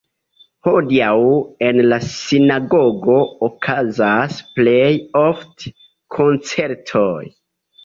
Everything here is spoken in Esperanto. Hodiaŭ en la sinagogo okazas plej ofte koncertoj.